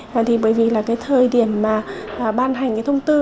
và thì bởi vì là cái thời điểm mà ban hành cái thông tư